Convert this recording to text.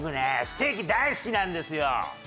ステーキ大好きなんですよ。